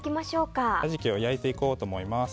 カジキを焼いていこうと思います。